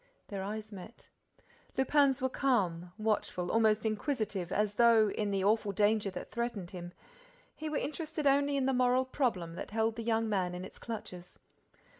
Their eyes met. Lupin's were calm, watchful, almost inquisitive, as though, in the awful danger that threatened him, he were interested only in the moral problem that held the young man in its clutches.